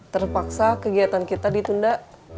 terpaksa kegiatan kita ditunda